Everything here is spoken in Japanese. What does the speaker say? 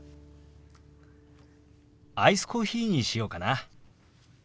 アイスコーヒーにしようかな。